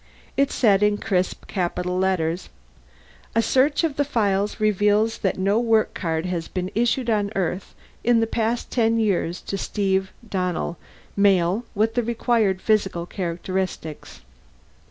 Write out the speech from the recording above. It said, in crisp capital letters, A SEARCH OF THE FILES REVEALS THAT NO WORK CARD HAS BEEN ISSUED ON EARTH IN THE PAST TEN YEARS TO STEVE DONNELL, MALE, WITH THE REQUIRED PHYSICAL CHARACTERISTICS.